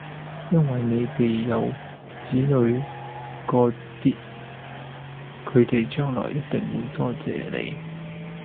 因為你哋有仔女嗰啲，佢哋將來一定會多謝你